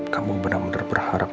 kamu bener bener berharap